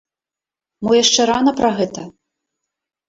Мо яшчэ рана пра гэта?